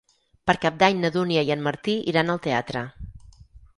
Per Cap d'Any na Dúnia i en Martí iran al teatre.